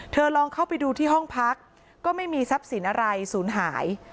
ลองเข้าไปดูที่ห้องพักก็ไม่มีทรัพย์สินอะไรศูนย์หาย